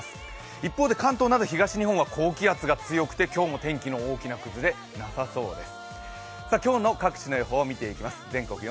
一方で関東など東日本は高気圧が強くて今日も天気の大きな崩れ、なさそうです。